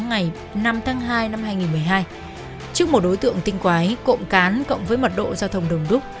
ngày năm tháng hai năm hai nghìn một mươi hai trước một đối tượng tinh quái cộng cán cộng với mật độ giao thông đồng đúc